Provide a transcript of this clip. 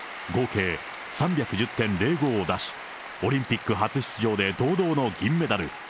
合計３１０．０５を出し、オリンピック初出場で堂々の銀メダル。